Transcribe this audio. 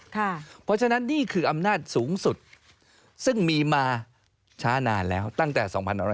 เพราะฉะนั้นนี่คืออำนาจสูงสุดซึ่งมีมาช้านานแล้วตั้งแต่๒๕๖๐